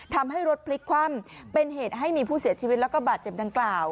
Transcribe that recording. ทำให้รถพลิกคว่ำเป็นเหตุให้มีผู้เสียชีวิตแล้วก็บาดเจ็บดังกล่าว